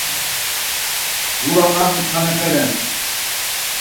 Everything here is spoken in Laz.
Ğula ar mutxanepe ren.